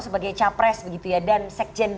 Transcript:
sebagai capres dan sekjen